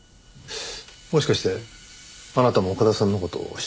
もしかしてあなたも岡田さんの事を知っていた？